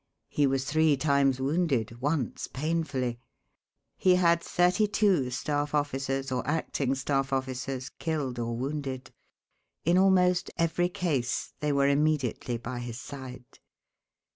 He was three times wounded, once painfully. He had thirty two staff officers, or acting staff officers, killed or wounded. In almost every case they were immediately by his side.